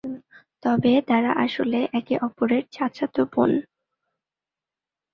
তবে তারা আসলে একে অপরের চাচাতো বোন।